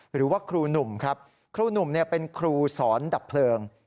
หรือว่าครูหนุ่มครับครูหนุ่มเป็นครูสอนดับเพลิง